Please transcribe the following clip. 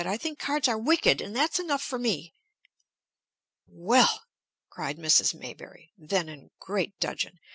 I think cards are wicked! And that's enough for me!" "Well!" cried Mrs. Maybury, then in great dudgeon.